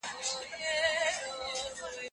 دا هره خبره ډيري بدي پايلي لري.